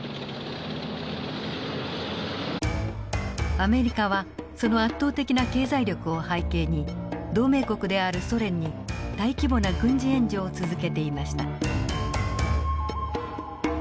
アメリカはその圧倒的な経済力を背景に同盟国であるソ連に大規模な軍事援助を続けていました。